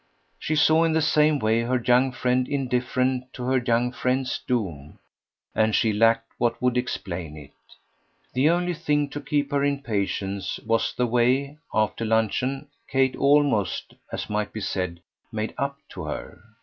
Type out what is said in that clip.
She saw in the same way her young friend indifferent to her young friend's doom, and she lacked what would explain it. The only thing to keep her in patience was the way, after luncheon, Kate almost, as might be said, made up to her.